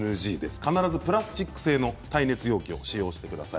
必ずプラスチック製の耐熱容器を使用してください。